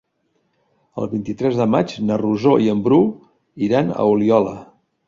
El vint-i-tres de maig na Rosó i en Bru iran a Oliola.